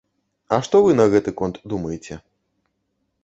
А што вы на гэты конт думаеце?